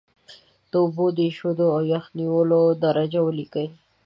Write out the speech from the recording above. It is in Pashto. د اوبو د ایشېدو او یخ نیولو درجه ولیکئ.